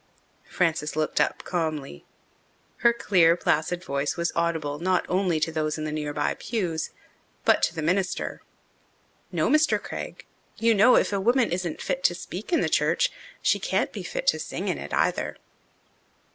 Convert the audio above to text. Frances looked up calmly. Her clear, placid voice was audible not only to those in the nearby pews, but to the minister. "No, Mr. Craig. You know if a woman isn't fit to speak in the church she can't be fit to sing in it either."